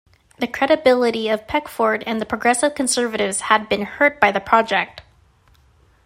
The credibility of Peckford and the Progressive Conservatives had been hurt by the project.